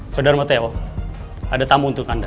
saudara teo ada tamu untuk anda